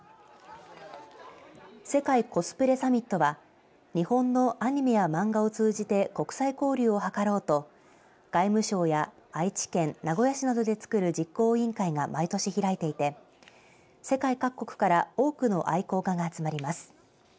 世界コスプレサミットは日本のアニメや漫画を通じて国際交流を図ろうと外務省や愛知県、名古屋市などで作る実行委員会が毎年開いていて、世界各国から多くの愛好家が集まります。